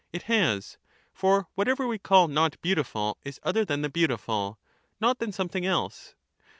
It has ; for whatever we call not beautiful is other than the beautiful, not than something else.